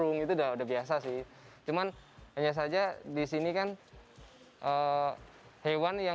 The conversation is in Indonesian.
nggak ada bosannya deh pokoknya